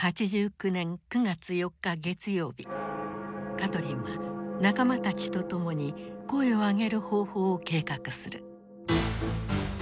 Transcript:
カトリンは仲間たちと共に声を上げる方法を計画する。